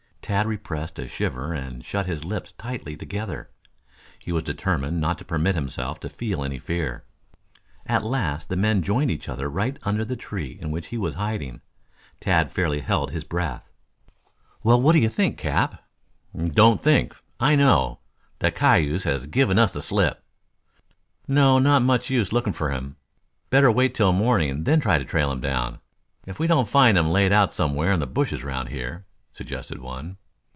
Tad repressed a shiver and shut his lips tightly together. He was determined not to permit himself to feel any fear. At last the men joined each other right under the tree in which he was hiding. Tad fairly held his breath. "Well, what do you think, Cap?" "Don't think. I know. The cayuse has given us the slip." "No, not much use looking for him. Better wait here till morning then try to trail him down, if we don't find him laid out somewhere in the bushes round here," suggested one.